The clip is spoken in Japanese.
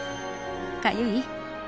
かゆい？